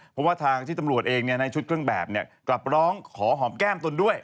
เพราะว่าทางที่ตำรวจเองในชุดเครื่องแบบกลับร้องขอหอมแก้มตนด้วย